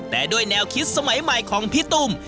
แต่ด้วยแนวคิดสมัยใหม่ของพี่ตุ้ม